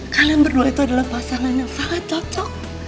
kalian berdua itu adalah pasangan yang sangat cocok